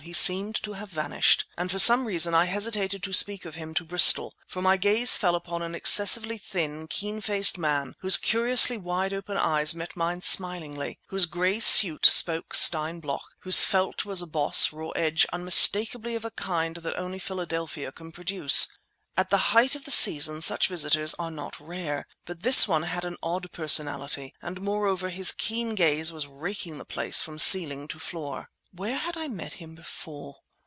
He seemed to have vanished, and for some reason I hesitated to speak of him to Bristol; for my gaze fell upon an excessively thin, keen faced man whose curiously wide open eyes met mine smilingly, whose gray suit spoke Stein Bloch, whose felt was a Boss raw edge unmistakably of a kind that only Philadelphia can produce. At the height of the season such visitors are not rare, but this one had an odd personality, and moreover his keen gaze was raking the place from ceiling to floor. Where had I met him before?